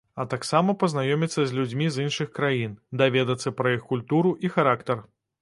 А таксама пазнаёміцца з людзьмі з іншых краін, даведацца пра іх культуру і характар.